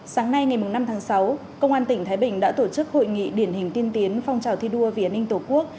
sáng nay ngày năm tháng sáu công an tỉnh thái bình đã tổ chức hội nghị điển hình tiên tiến phong trào thi đua vì an ninh tổ quốc